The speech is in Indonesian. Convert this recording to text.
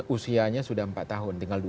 usianya sudah empat tahun tinggal